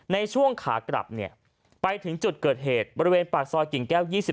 ในช่วงขากลับไปถึงจุดเกิดเหตุบริเวณปากซอยกิ่งแก้ว๒๑